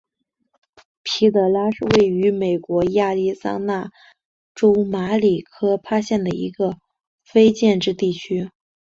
皮德拉是位于美国亚利桑那州马里科帕县的一个非建制地区。